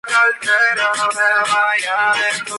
Es un afluente del Río San Francisco.